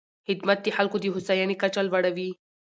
خدمت د خلکو د هوساینې کچه لوړوي.